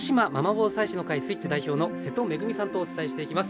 防災士の会Ｓｗｉｔｃｈ代表の瀬戸恵深さんとお伝えしていきます。